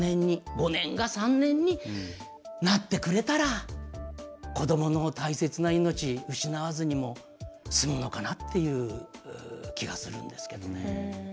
５年が３年になってくれたら子どもの大切な命、失わずに済むのかなという気がするんですけどね。